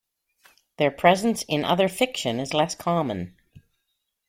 Their presence in other fiction is less common.